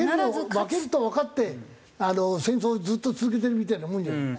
負けるとわかって戦争をずっと続けてるみたいなもんじゃない。